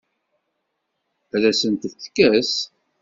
Ad asen-ten-tekkes?